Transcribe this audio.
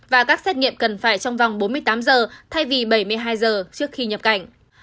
và các xét nghiệm cần phải trong vòng bốn mươi tám giờ thay vì bảy mươi hai giờ trước khi nhập cảnh